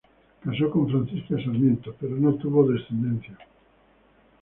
Casó con Francisca Sarmiento, pero no tuvo descendencia.